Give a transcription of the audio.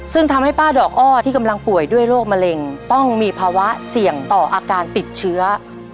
ซึ่งทำให้ป้าดอกอ้อที่กำลังป่วยด้วยโรคมะเร็งต้องมีภาวะเสี่ยงต่ออาการติดเชื้อ